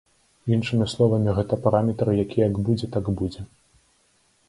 Іншымі словамі, гэта параметр, які як будзе, так будзе.